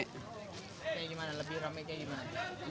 kayak gimana lebih rame kayak gimana